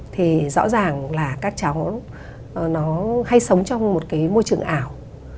thì rõ ràng là các cháu nó hay sống trong một cái môi trường ảo